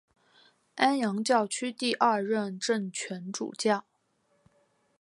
安阳教区第二任正权主教。